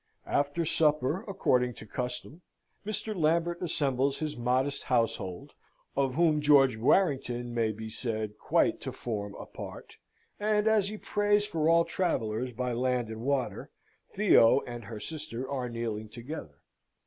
After supper, according to custom, Mr. Lambert assembles his modest household, of whom George Warrington may be said quite to form a part; and as he prays for all travellers by land and water, Theo and her sister are kneeling together.